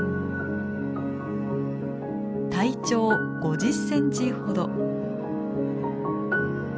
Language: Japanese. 体長５０センチほど。